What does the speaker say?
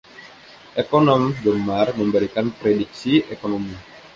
Ekonom gemar memberikan prediksi Ekonomi.